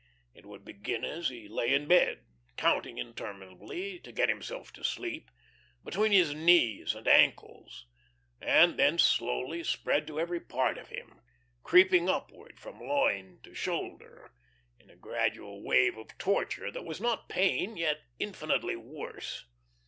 It would begin as he lay in bed counting interminably to get himself to sleep between his knees and ankles, and thence slowly spread to every part of him, creeping upward, from loin to shoulder, in a gradual wave of torture that was not pain, yet infinitely worse.